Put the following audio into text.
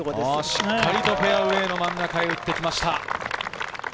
しっかりとフェアウエーの真ん中に打ってきました。